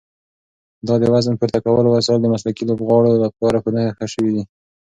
دا د وزن پورته کولو وسایل د مسلکي لوبغاړو لپاره په نښه شوي دي.